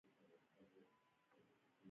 د اداتو په لحاظ تشبېه پر دوه ډوله ده.